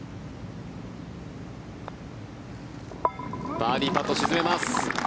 バーディーパット、沈めます。